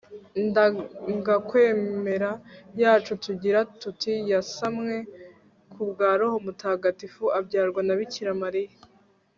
ndangakwemera yacu tugira tuti yasamwe ku bwa roho mutagatifu, abyarwa na bikira mariya